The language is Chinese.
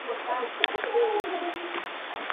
海南野桐为大戟科野桐属下的一个种。